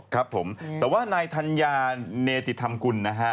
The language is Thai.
ครับผมแต่ว่านายธัญญาเนติธรรมกุลนะฮะ